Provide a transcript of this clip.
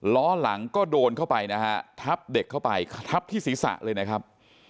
ล้อหลังก็โดนเข้าไปนะฮะทับเด็กเข้าไปทับที่ศีรษะเลยนะครับ